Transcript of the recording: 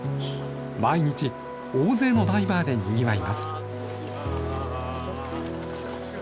毎日大勢のダイバーでにぎわいます。